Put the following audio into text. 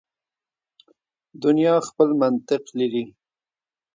دنیا خپل منطق لري.